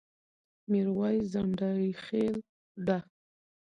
ميرويس ځنډيخيل ډه